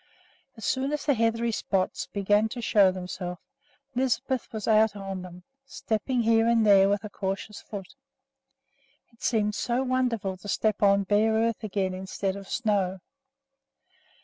As soon as the heathery spots began to show themselves, Lisbeth was out on them, stepping here and there with a cautious foot. It seemed so wonderful to step on bare earth again instead of snow!